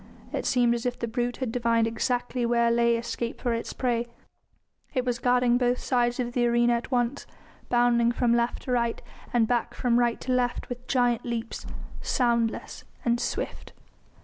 It seemed as if the brute had divined exactly where lay escape for its prey. It was guarding both sides of the arena at once, bounding from left to right, and back from right to left with giant leaps, soundless and swift.